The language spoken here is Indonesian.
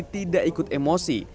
tidak ikut emosi